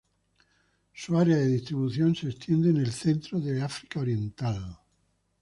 Su área de distribución se extiende en el centro de África Oriental.